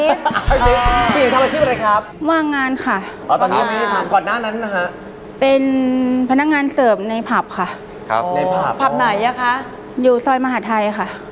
สวัสดีครับสวัสดีครับมีหมวกไม้พรมมาเบ้า